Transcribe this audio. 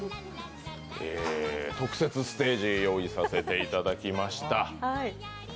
特設ステージを用意させていただきました。